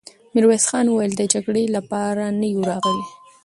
ميرويس خان وويل: د جګړې له پاره نه يو راغلي!